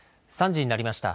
３時になりました。